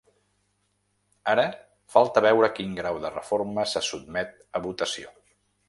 Ara falta veure quin grau de reforma se sotmet a votació.